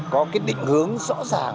có cái định hướng rõ ràng